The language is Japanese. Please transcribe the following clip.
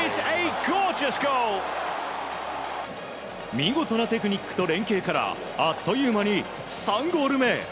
見事なテクニックと連係からあっという間に３ゴール目。